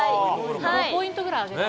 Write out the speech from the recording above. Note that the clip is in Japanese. ５ポイントぐらいあげたい。